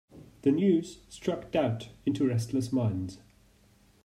The news struck doubt into restless minds.